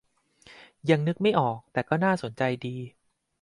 ยังนึกไม่ออก แต่ก็น่าสนดี